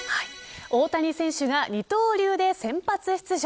大谷選手が二刀流で先発出場。